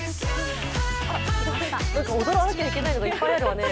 踊らなきゃいけないのがいっぱいあるわね。